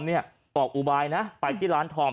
ออกอุบายนะไปที่ร้านทอง